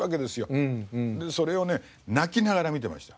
それをね泣きながら見てました。